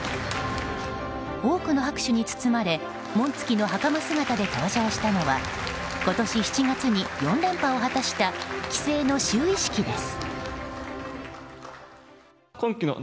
多くの拍手に包まれ紋付きのはかま姿で登場したのは今年７月に４連覇を果たした棋聖の就位式です。